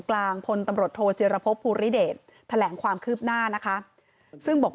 กลางพลตำรวจโทจิรพบภูริเดชแถลงความคืบหน้านะคะซึ่งบอก